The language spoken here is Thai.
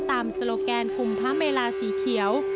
ตามโซโลแกนคุมภาเมลาสีเขียว